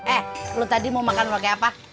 eh lu tadi mau makan pakai apa